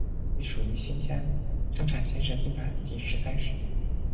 隶属于新疆生产建设兵团第十三师。